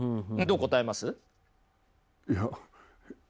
どう答えます？